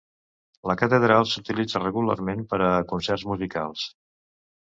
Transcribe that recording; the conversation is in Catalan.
La catedral s'utilitza regularment per a concerts musicals.